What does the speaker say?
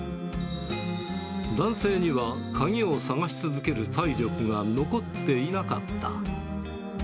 男性には鍵を探し続ける体力が残っていなかった。